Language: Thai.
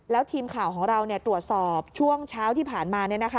แล้วทีมข่าวของเราตรวจสอบช่วงเช้าที่ผ่านมา